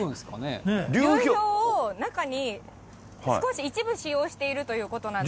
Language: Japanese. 流氷を中に、少し、一部使用しているということなんです。